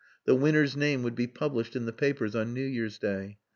The winner's name would be published in the papers on New Year's Day.